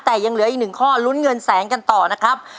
แต่ยังเหลืออีกหนึ่งข้อลุ้นเงินแสนกันต่อนะครับ